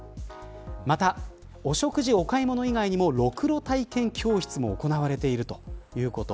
また、お食事やお買い物以外にもろくろ体験教室も行われているということ。